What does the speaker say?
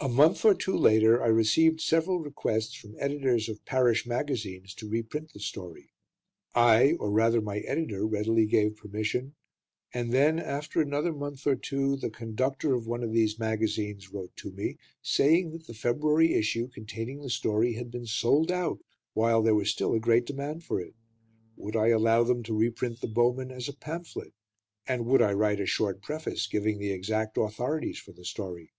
A month or two later, I received several requests from editors of parish magazines to reprint the story. I or, rather, my editor readily gave permission; and then, after another month or two, the conductor of one of these magazines wrote to me, saying that the February issue containing the story had been sold out, while there was still a great demand for it. Would I allow them to reprint "The Bowmen" as a pamphlet, and would I write a short preface giving the exact authorities for the story?